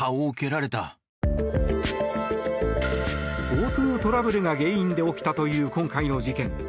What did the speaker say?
交通トラブルが原因で起きたという今回の事件。